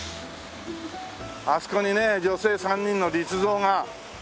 あそこにね女性３人の立像が。